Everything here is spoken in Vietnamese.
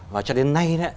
và cho đến nay